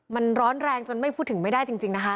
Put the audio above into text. มันร้อนแรงจนไม่พูดถึงไม่ได้จริงนะคะ